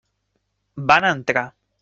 Van entrar.